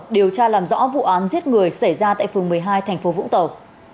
điều tra làm rõ vụ án giết người xảy ra tại phường một mươi hai thành phố vũng tàu